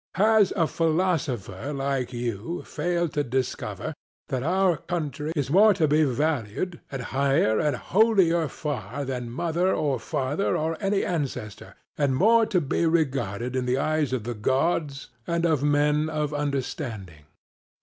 Has a philosopher like you failed to discover that our country is more to be valued and higher and holier far than mother or father or any ancestor, and more to be regarded in the eyes of the gods and of men of understanding?